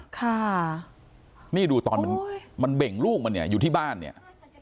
ค่ะนี่ดูตอนมันมันเบ่งลูกมันเนี่ยอยู่ที่บ้านเนี่ย